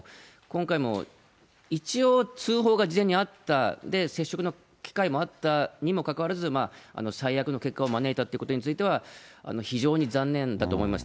今回も一応通報が事前にあった、で、接触の機会もあったにもかかわらず最悪の結果を招いたということについては、非常に残念だと思います。